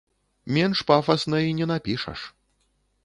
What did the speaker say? Менш пафасна і не напішаш.